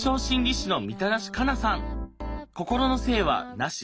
心の性は無し。